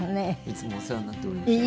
いつもお世話になっておりました。